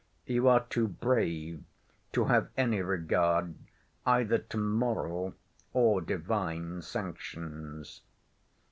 —You are too brave to have any regard either to moral or divine sanctions.